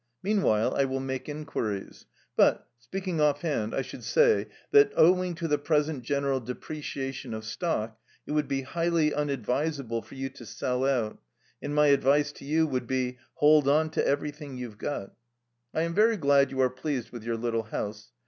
Meanwhile I will make inquiries; but, speaking off hand, I should say that, owing to the present general depreciation of stock, it would be highly unadvisable for you to sell out, and my advice to you would be: Hold on to everything you've got. "I am very glad you are pleased with your little house.